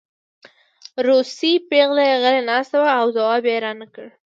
روسۍ پېغله غلې ناسته وه او ځواب یې رانکړ